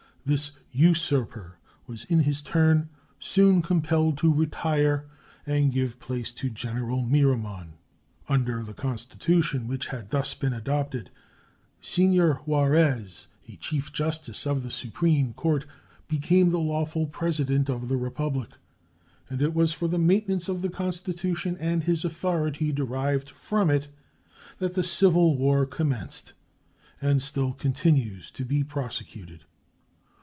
This usurper was in his turn soon compelled to retire and give place to General Miramon. Under the constitution which had thus been adopted Senor Juarez, as chief justice of the supreme court, became the lawful President of the Republic, and it was for the maintenance of the constitution and his authority derived from it that the civil war commenced and still continues to be prosecuted.